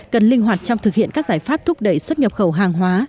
cần linh hoạt trong thực hiện các giải pháp thúc đẩy xuất nhập khẩu hàng hóa